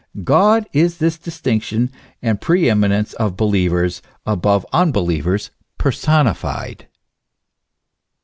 God is this distinction and pre eminence of believers above unbe lievers, personified.